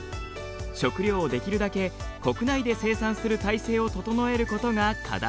食料をできるだけ国内で生産する体制を整えることが課題です。